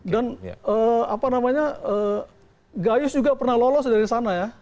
dan apa namanya gayus juga pernah lolos dari sana ya